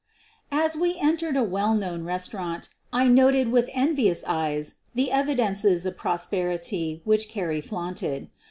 As we entered a well known restaurant I noted with envious eyes the evidences of prosperity which Carrie flaunted.